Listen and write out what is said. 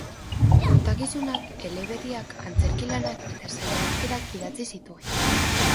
Kontakizunak, eleberriak, antzerki-lanak eta saiakerak idatzi zituen.